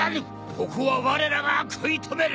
ここはわれらが食い止める